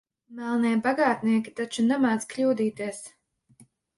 Melnie bagātnieki taču nemēdz kļūdīties.